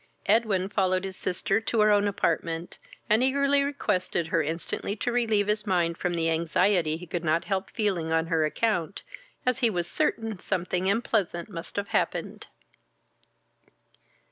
Edwin followed his sister to her own apartment, and eagerly requested her instantly to relieve his mind from the anxiety he could not help feeling on her account, as he was certain something unpleasant must have happened.